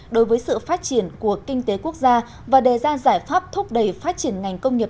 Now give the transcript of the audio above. đối với sự phát triển của kinh tế quốc gia và đề ra giải pháp thúc đẩy phát triển ngành công nghiệp